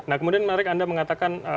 nah kemudian menarik anda mengatakan